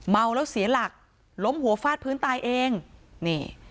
เมาแล้วเสียหลักล้มหัวฟาดพื้นตายเองนี่